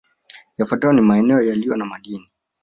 Yafuatayo ni maeneo yaliyo na madini